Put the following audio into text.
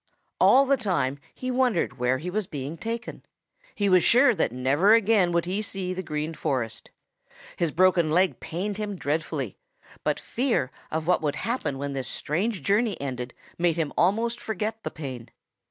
All the time he wondered where he was being taken. He was sure that never again would he see the Green Forest. His broken leg pained him dreadfully, but fear of what would happen when this strange journey ended made him almost forget the pain.